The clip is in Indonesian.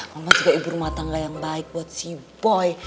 mama juga ibu rumah tangga yang baik buat si boy